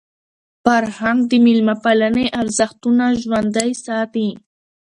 فرهنګ د میلمه پالني ارزښتونه ژوندۍ ساتي.